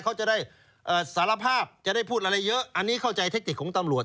เขาจะได้สารภาพจะได้พูดอะไรเยอะอันนี้เข้าใจเทคนิคของตำรวจ